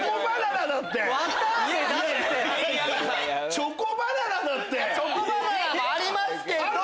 チョコバナナもありますけど。